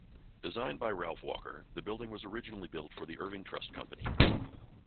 Designed by Ralph Walker, the building was originally built for the Irving Trust Company.